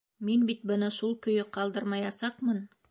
Мин бит быны шул көйө ҡалдырмаясаҡмын!